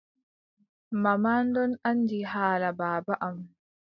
Manman ɗon anndi haala baaba am.